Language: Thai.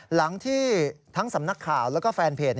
หลังที่ทั้งสำนักข่าวแล้วก็แฟนเพจ